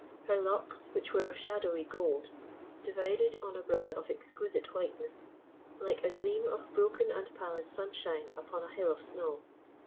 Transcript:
Her locks, which were of shadowy gold, divided on a brow of exquisite whiteness, like a gleam of broken and pallid sunshine upon a hill of snow.